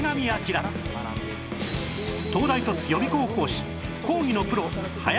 東大卒予備校講師